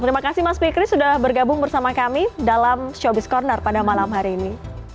terima kasih mas fikri sudah bergabung bersama kami dalam showbiz corner pada malam hari ini